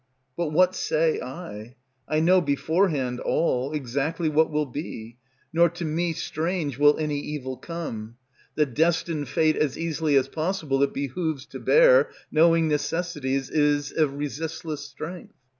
But what say I? I know beforehand all, Exactly what will be, nor to me strange Will any evil come. The destined fate As easily as possible it behooves to bear, knowing Necessity's is a resistless strength.